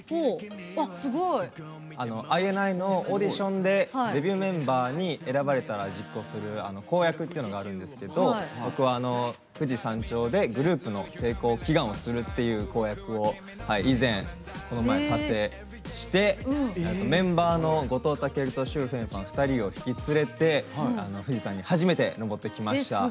ＩＮＩのオーディションでデビューメンバーに選ばれたら実行する公約っていうのがあるんですけど僕は富士山頂でグループの成功祈願をするっていう公約を、この前達成してメンバーの後藤威尊と許豊凡２人を引き連れて、富士山に初めて登ってきました。